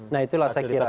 nah itulah saya kira